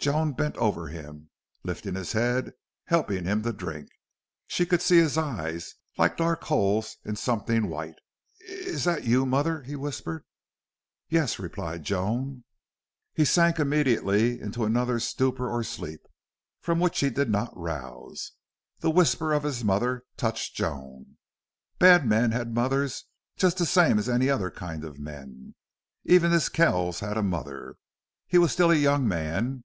Joan bent over him, lifting his head, helping him to drink. She could see his eyes, like dark holes in something white. "Is that you mother?" he whispered. "Yes," replied Joan. He sank immediately into another stupor or sleep, from which he did not rouse. That whisper of his mother touched Joan. Bad men had mothers just the same as any other kind of men. Even this Kells had a mother. He was still a young man.